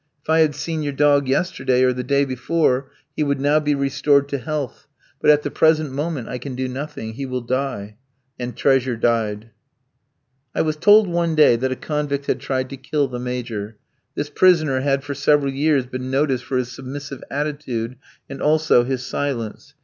If I had seen your dog yesterday or the day before, he would now be restored to health; but at the present moment I can do nothing. He will die.' And 'Treasure' died." I was told one day that a convict had tried to kill the Major. This prisoner had for several years been noticed for his submissive attitude and also his silence.